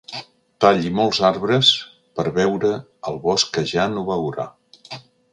Talli molts arbres per veure el bosc que ja no veurà.